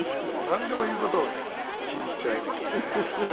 なんでも言う事を聞いちゃいますね。